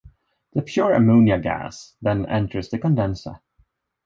The pure ammonia gas then enters the condenser.